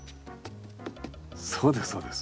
そうですそうです。